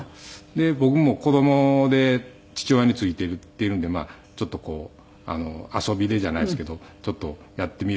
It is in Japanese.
で僕も子供で父親について行っているんでまあちょっと遊びでじゃないですけどちょっとやってみる？